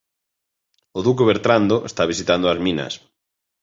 O Duque Bertrando está visitando as minas.